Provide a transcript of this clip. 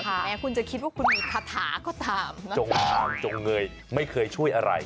แหมนว่าคุณคิดมีคาถาจงอ่างจงเงยไม่เคยช่วยอะไร